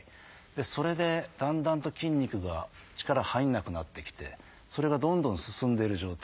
それでだんだんと筋肉が力入らなくなってきてそれがどんどん進んでいる状態。